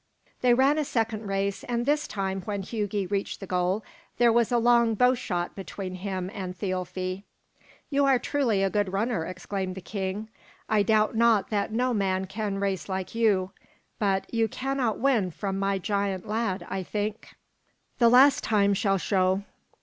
They ran a second race; and this time when Hugi reached the goal there was a long bow shot between him and Thialfi. "You are truly a good runner," exclaimed the king. "I doubt not that no man can race like you; but you cannot win from my giant lad, I think. The last time shall show."